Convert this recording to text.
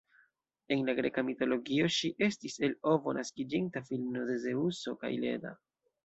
En la greka mitologio ŝi estis el ovo naskiĝinta filino de Zeŭso kaj Leda.